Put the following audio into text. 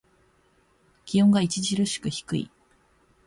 気温が著しく低い。